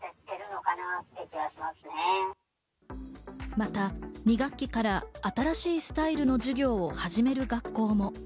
また、２学期から新しいスタイルの授業を始める学校も。